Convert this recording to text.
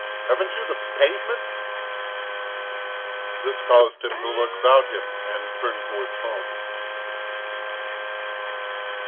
Haven't you the pavement?" This caused him to look about him, and turn towards home.